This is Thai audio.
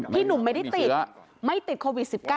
หนุ่มไม่ได้ติดไม่ติดโควิด๑๙